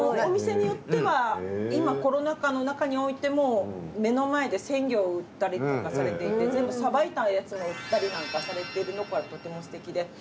お店によっては今コロナ禍のなかにおいても目の前で鮮魚を売ったりとかされていて全部さばいたやつも売ったりなんかされてるのがとてもすてきで。